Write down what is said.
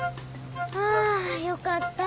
あよかった。